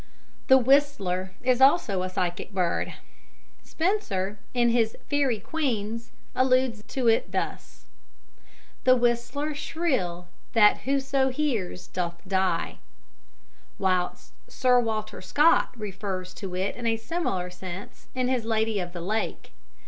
The whistler is also a very psychic bird. Spenser, in his Faerie Queene (Book II, canto xii, st. 31), alludes to it thus: "The whistler shrill, that whoso hears doth die"; whilst Sir Walter Scott refers to it in a similar sense in his Lady of the Lake.